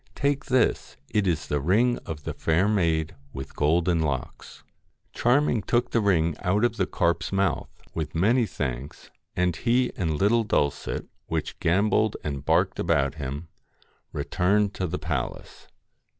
Take this, it is the ring of the fair maid with golden locks.' Charming took the ring out of the carp's mouth, with many thanks, and he and little Dulcet, which gambolled and barked about him, returned to the palace.